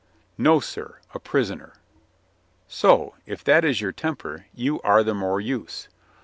"No, sir; a prisoner." "So. If that is your temper, you are the more use.